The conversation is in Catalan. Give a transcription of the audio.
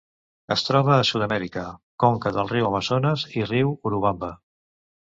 Es troba a Sud-amèrica: conca del riu Amazones i riu Urubamba.